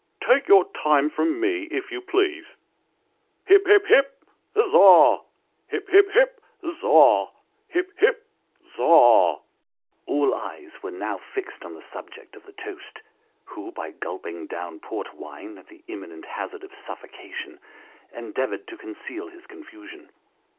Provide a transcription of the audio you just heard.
Take your time from me, if you please. Hip! hip! hip! Za! Hip! hip! hip! Za! Hip! hip ! Za a a !" All eyes were now fixed on the subject of the toast, who by gulping down port wine at the imminent hazard of suffocation, endeavoured to conceal his confusion.